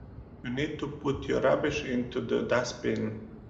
You need to put your rubbish into the dustbin